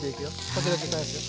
時々返すよ。